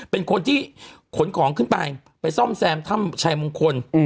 เป็นคนที่ขนของขึ้นไปไปซ่อมแซมถ้ำชายมงคล